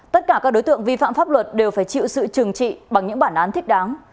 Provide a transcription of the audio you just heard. tất cả các đối tượng vi phạm pháp luật đều phải chịu sự trừng trị bằng những bản án thích đáng